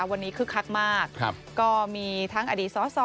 วันนี้ค่กคักมากครับก็มีทั้งอดีตศอสอ